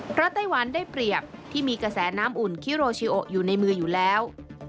เพราะไต้หวันได้เปรียบที่มีกระแสน้ำอุ่นคิโรชิโออยู่ในมืออยู่แล้ว